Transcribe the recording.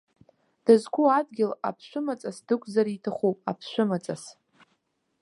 Дызқәу адгьыл аԥшәымаҵас дықәзар иҭахуп, аԥшәымаҵас!